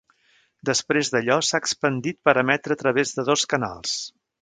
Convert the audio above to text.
Després d"allò, s"ha expandit per emetre a través de dos canals.